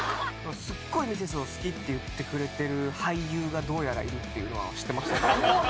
すっごいミセスを好きって言ってくれてる俳優がどうやらいるっていうのは知ってました。